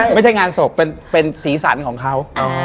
ไม่ใช่งานศพเป็นสีสันของเขา